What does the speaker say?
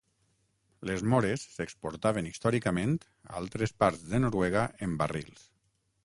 Les móres s'exportaven històricament a altres parts de Noruega en barrils.